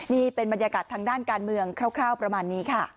นี่เป็นบรรยากาศทางด้านการเมืองคร่าวประมาณนี้ค่ะ